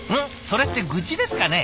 それって愚痴ですかね？